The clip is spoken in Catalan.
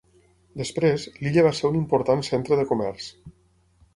Després, l'illa va ser un important centre de comerç.